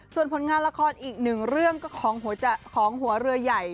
ส่วนผลงานละครอีกหนึ่งเรื่องของหัวเรือใหญ่